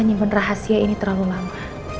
nyimpan rahasia ini terlalu lama